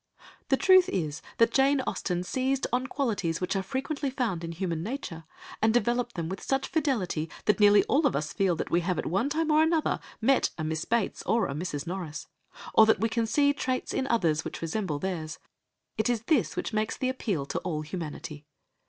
The truth is that Jane Austen seized on qualities which are frequently found in human nature, and developed them with such fidelity that nearly all of us feel that we have at one time or another met a Miss Bates or a Mrs. Norris, or that we can see traits in others which resemble theirs; it is this which makes the appeal to all humanity.